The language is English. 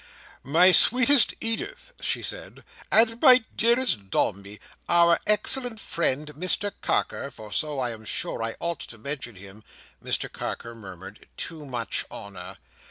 "My sweetest Edith," she said, "and my dearest Dombey; our excellent friend Mr Carker, for so I am sure I ought to mention him—" Mr Carker murmured, "Too much honour."